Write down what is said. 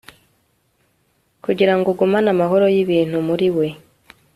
Kugirango ugumane amahano yibintu muriwe